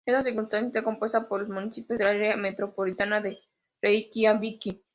Esta circunscripción está compuesta por los municipios del área metropolitana de Reikiavik.